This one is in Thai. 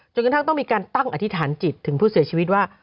จนกระทั่งต้องมีการตั้งอธิษฐานจิตถึงผู้เสียชีวิตว่า